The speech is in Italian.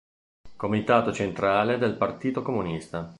Comitato Centrale del Partito Comunista